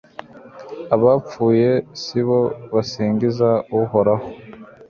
Abapfuye si bo basingiza Uhoraho